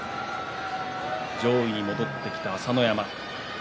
上位に戻ってきた朝乃山。